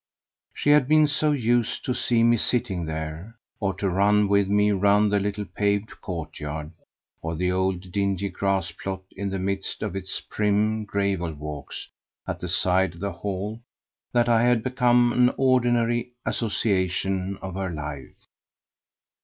She had been so used to see me sitting there, or to run with me round the little paved courtyard, or the old dingy grass plot in the midst of its prim gravel walks at the side of the hall that I had become an ordinary association of her life.